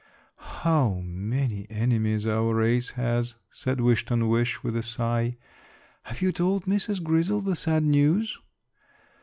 "How many enemies our race has!" said Wish ton wish with a sigh. "Have you told Mrs. Grizzle the sad news?"